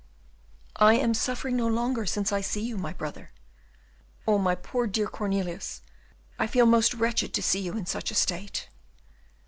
"I am suffering no longer, since I see you, my brother." "Oh, my poor dear Cornelius! I feel most wretched to see you in such a state."